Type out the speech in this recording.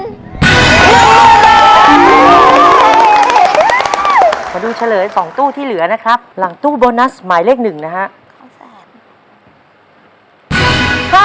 มาดูเฉลย๒ตู้ที่เหลือนะครับหลังตู้โบนัสหมายเลขหนึ่งนะฮะ